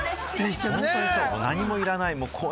何もいらない。